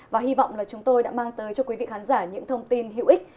và hy vọng là chúng tôi đã mang tới cho quý vị khán giả những thông tin hữu ích